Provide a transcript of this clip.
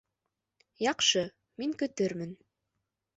Яҡшы. Мин көтөрмөн